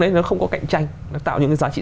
đấy nó không có cạnh tranh nó tạo những cái giá trị